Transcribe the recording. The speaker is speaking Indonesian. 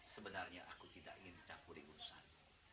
sebenarnya aku tidak ingin campur di urusan